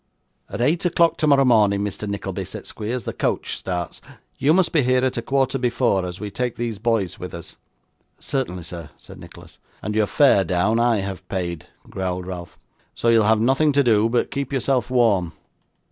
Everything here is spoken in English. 'At eight o'clock tomorrow morning, Mr. Nickleby,' said Squeers, 'the coach starts. You must be here at a quarter before, as we take these boys with us.' 'Certainly, sir,' said Nicholas. 'And your fare down, I have paid,' growled Ralph. 'So, you'll have nothing to do but keep yourself warm.